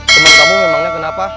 temen kamu memangnya kenapa